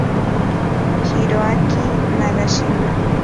Hiroaki Nagashima